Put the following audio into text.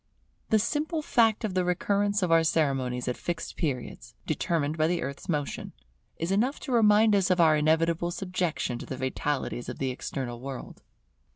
The simple fact of the recurrence of our ceremonies at fixed periods, determined by the Earth's motion, is enough to remind us of our inevitable subjection to the fatalities of the External World.